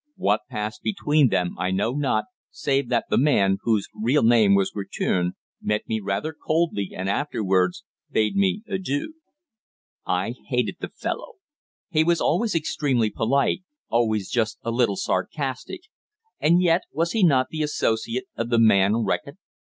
What passed between them I know not, save that the man, whose real name was Guertin, met me rather coldly and afterwards bade me adieu. I hated the fellow. He was always extremely polite, always just a little sarcastic, and yet, was he not the associate of the man Reckitt?